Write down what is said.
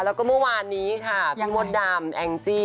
แล้วก็เมื่อวานนี้ค่ะพี่มดดำแองจี้